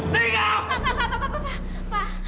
pak pak pak